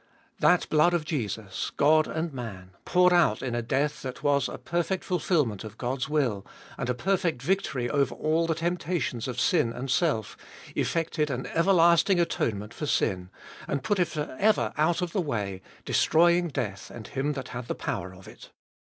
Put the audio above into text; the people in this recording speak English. That blood of Jesus, God and man, poured out in a death, that was a perfect fulfilment of God's will, and a perfect victory over all the temptations of sin and self, effected an everlasting atonement for sin, and put it for ever out of the way, destroying death and him that had the power of it.